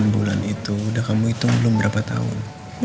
delapan ratus delapan puluh delapan bulan itu udah kamu hitung belum berapa tahun